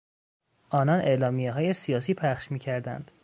آنان اعلامیههای سیاسی پخش میکردند.